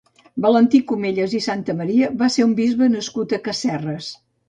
Valentí Comellas i Santamaria va ser un bisbe nascut a Casserres.